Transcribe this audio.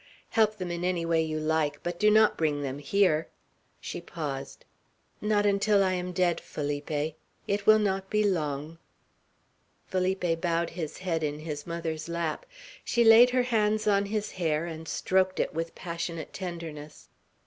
Help them in any way you like, but do not bring them here." She paused. "Not until I am dead, Felipe! It will not be long." Felipe bowed his head in his mother's lap. She laid her hands on his hair, and stroked it with passionate tenderness.